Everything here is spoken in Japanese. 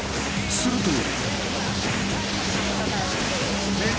［すると］